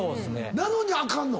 なのにあかんの？